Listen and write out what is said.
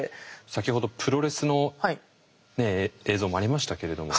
先ほどプロレスの映像もありましたけれども。